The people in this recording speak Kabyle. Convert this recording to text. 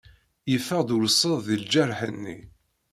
Yeffeɣ-d urseḍ deg lǧerḥ-nni.